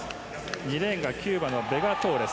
２レーンがキューバのベガ・トーレス。